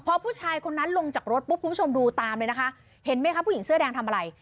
พอผู้ชายคนนั้นลงจากรถปุ๊บคุณผู้ชมดูตามเลยนะคะเห็นไหมคะผู้หญิงเสื้อแดงทำอะไร